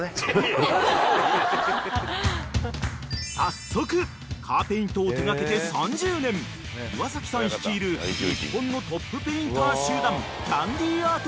［早速カーペイントを手掛けて３０年岩崎さん率いる日本のトップペインター集団ＣａｎｄｙＡｒｔ